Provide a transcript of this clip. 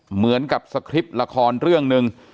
เหมือนกับสคริปต์ละครเรื่องหนึ่ง